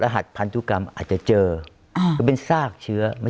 หัสพันธุกรรมอาจจะเจอหรือเป็นซากเชื้อ